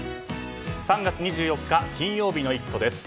３月２４日、金曜日の「イット！」です。